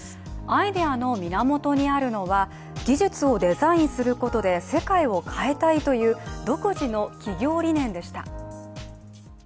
アイディアの源にあるのは技術をデザインすることで世界を変えたいという独自の企業理念でした。